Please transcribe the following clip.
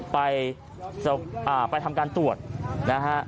ไปทำการตรวจ